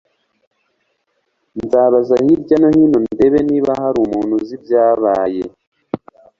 Nzabaza hirya no hino ndebe niba hari umuntu uzi ibyabaye.